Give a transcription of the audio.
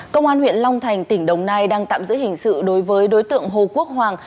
công an huyện long thành tỉnh đồng nai đang tạm giữ hình sự đối với đối tượng hồ quốc hoàng